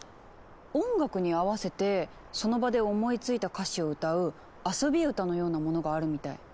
音楽に合わせてその場で思いついた歌詞を歌う遊び歌のようなものがあるみたい。